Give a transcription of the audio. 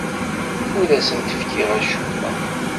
Ur asent-fkiɣ acemma.